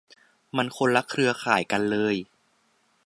มันคนละเครือข่ายกันเลย